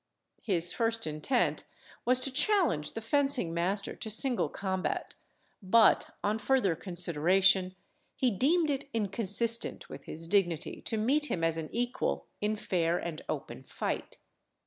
His first intent was to challenge the fencing master to single combat; but, on further consideration, he deemed it inconsistent with his dignity to meet him as an equal in fair and open fight.